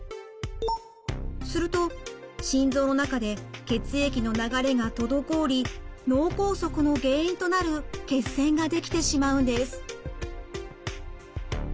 すると心臓の中で血液の流れが滞り脳梗塞の原因となる血栓が出来てしまうんです。